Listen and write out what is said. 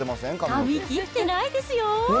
髪切ってないですよ。